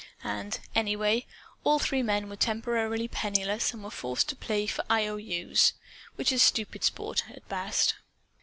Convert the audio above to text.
And, anyway, all three men were temporarily penniless and were forced to play for I.O.U's which is stupid sport, at best.